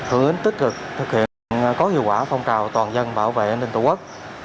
hướng ính tích cực thực hiện có hiệu quả phong trào toàn dân bảo vệ an ninh tổ quốc